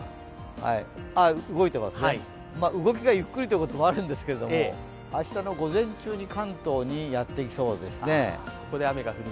動きがゆっくりということもあるんですけど、明日の午前中に関東にやってきそうですね。